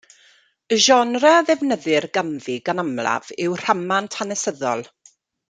Y genre a ddefnyddir ganddi gan amlaf yw'r rhamant hanesyddol.